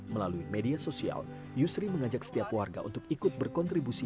melalui media sosial yusri mengajak setiap warga untuk ikut berkontribusi